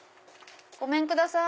ごめんください。